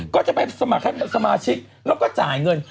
ก็จะไปสมัครให้สมาชิกแล้วก็จ่ายเงิน